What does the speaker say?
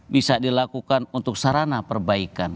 bisa dilakukan untuk sarana perbaikan